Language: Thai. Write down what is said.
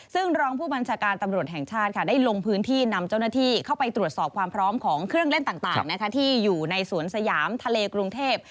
ซึ่งรองผู้บัญชาการตำรวจแห่งชาติค่ะได้ลงพื้นที่นำเจ้าหน้าที่เข้าไปตรวจสอบความพร้อมของเครื่องเล่นต่างที่อยู่ในสวนสยามทะเลกรุงเทพ